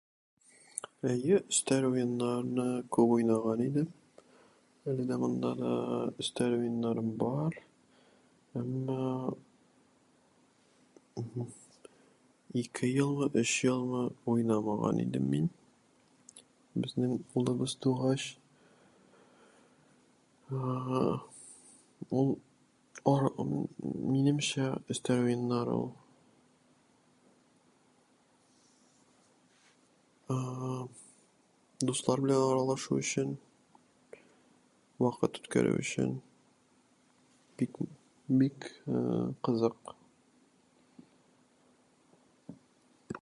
Әйе, өстәл уеннарын күп уйнаган идем. Әле монда да өстәл уеннарым бар, әмма, уһу, ике ел, өч елмы уйнмаган идем мин... безнең улыбыз тугач. Ә-ә-ә, ун ар- ун, минемчә, өстәл уеннары ул... а-а-ам, дуслар белән аралашу өчен, вакыт үткәрү өчен, бик... бик, ә-ә-ә, кызык.